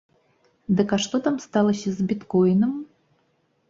Дык а што там сталася з біткойнам?